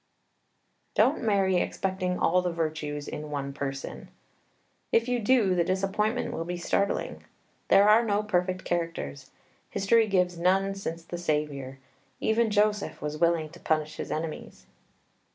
Don't marry expecting all the virtues in one person. If you do, the disappointment will be startling. There are no perfect characters. History gives none since the Saviour. Even Joseph was willing to punish his enemies.